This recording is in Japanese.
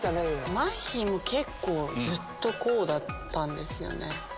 まっひーも結構ずっとこうだったんですよね。